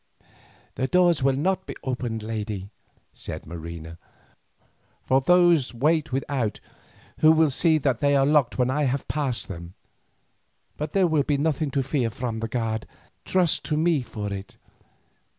"The doors will not be opened, lady," said Marina, "for those wait without, who will see that they are locked when I have passed them. But there will be nothing to fear from the guard, trust to me for it.